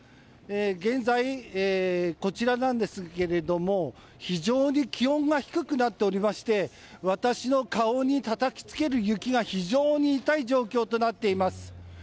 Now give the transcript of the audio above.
現在、こちらなんですが非常に気温が低くなっていて私の顔にたたきつける雪が非常に痛い状況となっています。